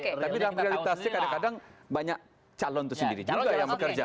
tapi dalam realitasnya kadang kadang banyak calon itu sendiri juga yang bekerja